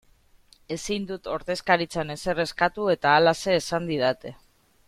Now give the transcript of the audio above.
Ezin dut ordezkaritzan ezer eskatu eta halaxe esan didate.